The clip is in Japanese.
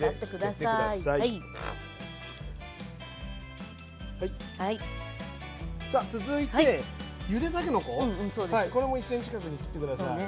さあ続いてゆでたけのここれも１ｃｍ角に切って下さい。